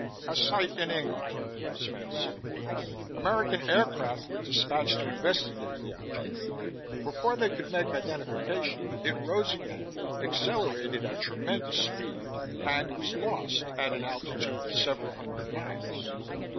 " A site in England," Smale said. "American aircraft were dispatched to investigate the object. Before they could make identification, it rose again, accelerated at tremendous speed, and was lost at an altitude of several hundred miles."